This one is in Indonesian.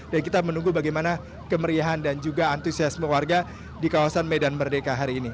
dan kita menunggu bagaimana kemeriahan dan juga antusiasme warga di kawasan medan merdeka hari ini